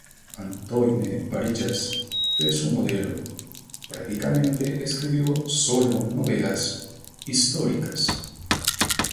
Antoine Varillas fue su modelo; prácticamente escribió sólo novelas históricas.